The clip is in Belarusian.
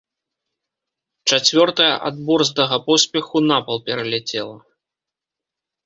Чацвёртая ад борздага паспеху напал пераляцела.